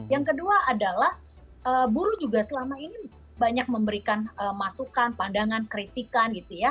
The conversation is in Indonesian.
yang kedua adalah buruh juga selama ini banyak memberikan masukan pandangan kritikan gitu ya